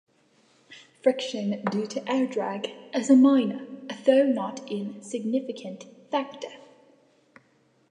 Friction due to air drag is a minor, although not insignificant, factor.